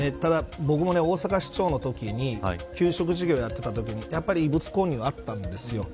ただ僕も大阪市長のときに給食事業をやってたときにやっぱり異物混入があったんですよ。